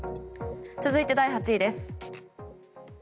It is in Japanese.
続いて、第８位です。